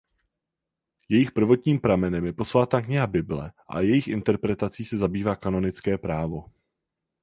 Jejich prvotním pramenem je posvátná kniha Bible a jejich interpretací se zabývá kanonické právo.